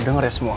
udah ngeres semua